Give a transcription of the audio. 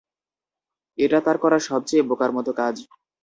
এটা তার করা সবচেয়ে বোকার মতো কাজ।